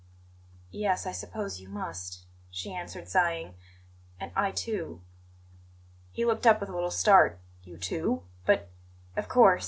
"Yes, I suppose you must," she answered, sighing. "And I too." He looked up with a little start. "You too? But " "Of course.